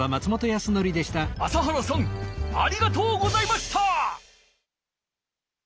朝原さんありがとうございました！